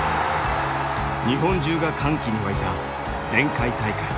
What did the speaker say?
日本中が歓喜に沸いた前回大会。